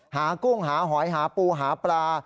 กุ้งหาหอยหาปูหาปลา